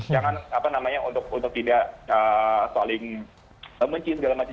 jangan apa namanya untuk tidak saling membenci segala macam